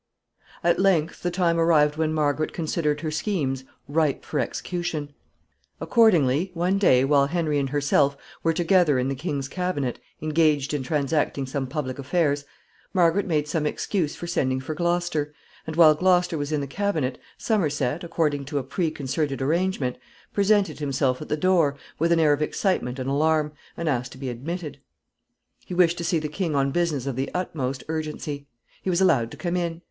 At length the time arrived when Margaret considered her schemes ripe for execution. [Sidenote: The king's cabinet.] [Sidenote: Gloucester sent for.] Accordingly, one day, while Henry and herself were together in the king's cabinet engaged in transacting some public affairs, Margaret made some excuse for sending for Gloucester, and while Gloucester was in the cabinet, Somerset, according to a preconcerted arrangement, presented himself at the door with an air of excitement and alarm, and asked to be admitted. He wished to see the king on business of the utmost urgency. He was allowed to come in.